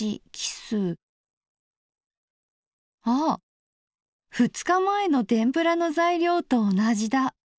２日前のてんぷらの材料と同じだ！